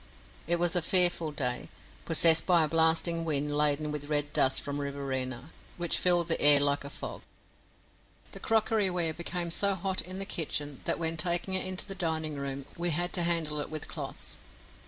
It was a fearful day, possessed by a blasting wind laden with red dust from Riverina, which filled the air like a fog. The crockery ware became so hot in the kitchen that when taking it into the dining room we had to handle it with cloths.